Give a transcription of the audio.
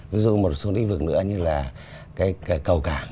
ví dụ một số lĩnh vực nữa như là cái cầu cảng